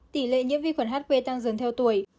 tỷ lệ nhiễm vi khuẩn hp tăng dần theo tuổi